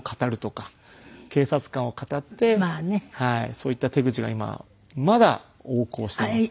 そういった手口が今まだ横行していますね。